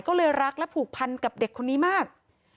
ก็เลยรักและผูกพันกับเด็กคนนี้มาก